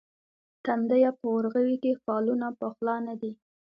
تندیه په اورغوي کې فالونه پخلا نه دي.